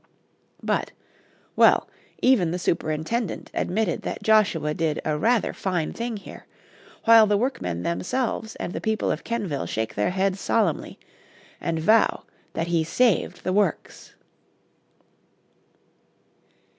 But well, even the superintendent admitted that Joshua did a rather fine thing here, while the workmen themselves and the people of Kenvil shake their heads solemnly and vow that he saved the works.